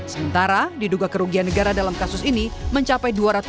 sementara diduga kerugian negara dalam kasus ini mencapai dua ratus tujuh puluh satu tiga miliar dolar